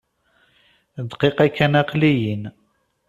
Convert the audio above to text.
Dqiqa kan! Aqli-yin!